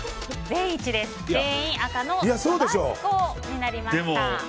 全員、赤のタバスコになりました。